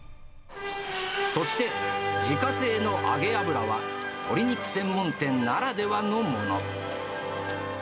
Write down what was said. そして、自家製の揚げ油は鶏肉専門店ならではのもの。